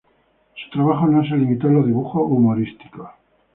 Su trabajo no se limitó a los dibujos humorísticos.